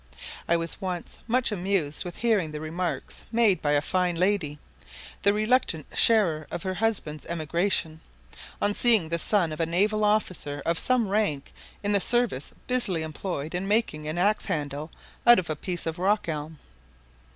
I was once much amused with hearing the remarks made by a very fine lady, the reluctant sharer of her husband's emigration, on seeing the son of a naval officer of some rank in the service busily employed in making an axe handle out of a piece of rock elm.